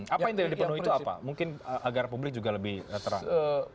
apa yang tidak dipenuhi itu apa mungkin agar publik juga lebih terang